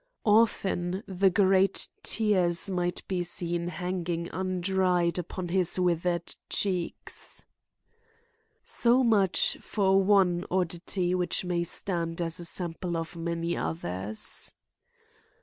Often the great tears might be seen hanging undried upon his withered cheeks. So much for one oddity which may stand as a sample of many others.